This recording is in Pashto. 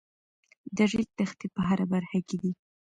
د ریګ دښتې په هره برخه کې دي.